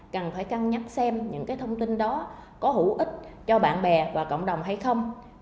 cần phải cân nhắc xem những cái thông tin đó có hữu ích cho bạn bè và cộng đồng hay không